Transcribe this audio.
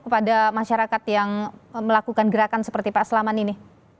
kepada masyarakat yang melakukan gerakan seperti pak selamat ini